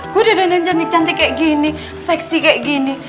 gua udah dandan janik cantik kaya gini seksi kaya gini